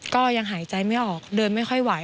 ก็ยังหายใจไม่ออกเดินไม่ค่อยไหว